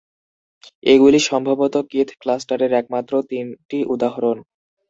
এগুলি সম্ভবত কিথ ক্লাস্টারের একমাত্র তিনটি উদাহরণ।